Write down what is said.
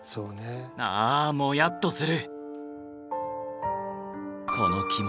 ああもやっとする！